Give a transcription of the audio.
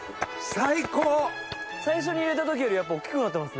最初に入れた時よりやっぱ大っきくなってますね。